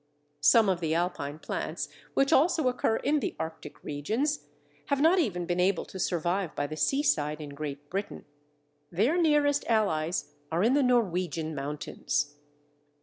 Some of the Alpine plants which also occur in the Arctic regions have not even been able to survive by the seaside in Great Britain. Their nearest allies are in the Norwegian mountains.